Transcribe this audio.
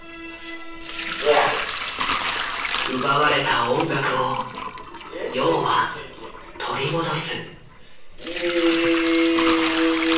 奪われた音楽を楊は取り戻す。